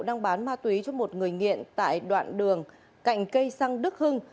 đang bán ma túy cho một người nghiện tại đoạn đường cạnh cây xăng đức hưng